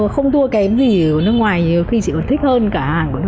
không thua kém gì ở nước ngoài nhiều khi chị còn thích hơn cả